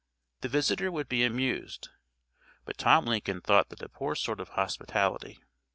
The visitor would be amused, but Tom Lincoln thought that a poor sort of hospitality.